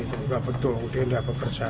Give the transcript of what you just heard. betul mungkin tidak bekerja